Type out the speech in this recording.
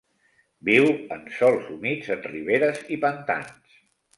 Viu en sòls humits, en riberes i pantans.